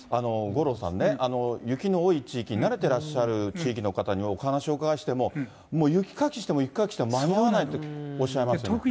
五郎さんね、雪の多い地域に慣れてらっしゃる地域の方にお話をお伺いしても、雪かきしても雪かきしても間に合わないっておっしゃいますよね。